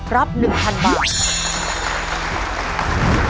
รับหนึ่งพันบาท